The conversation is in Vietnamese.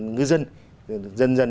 ngư dân dần dần